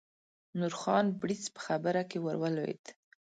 نورخان بړیڅ په خبره کې ور ولوېد.